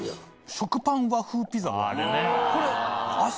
食パン和風ピザはこれ。